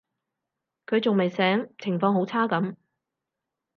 佢仲未醒，情況好差噉